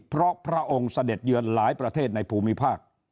เพราะพระองค์เสด็จเยือนหลายประเทศในภูมิภาค